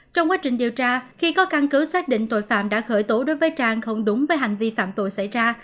trong quá trình điều tra khi có căn cứ xác định tội phạm đã khởi tố đối với trang không đúng với hành vi phạm tội xảy ra